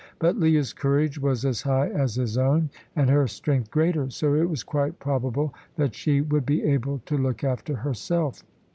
But Leah's courage was as high as his own, and her strength greater, so it was quite probable that she would be able to look after herself.